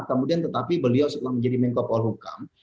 kemudian tetapi beliau setelah menjadi menko polhukam